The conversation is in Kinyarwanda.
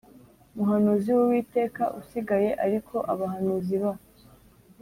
muhanuzi w Uwiteka usigaye ariko abahanuzi ba